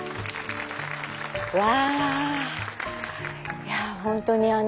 うわ。